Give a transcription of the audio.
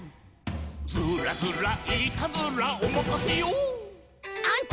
「ずーらずらいーたずら」「おまかせよ」